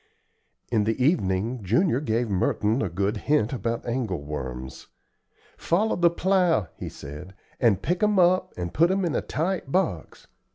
In the evening Junior gave Merton a good hint about angle worms. "Follow the plow," he said, "and pick 'em up and put 'em in a tight box.